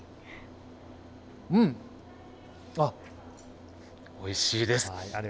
うん、あっ、おいしいです。